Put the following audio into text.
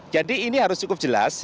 jadi ini harus cukup jelas ya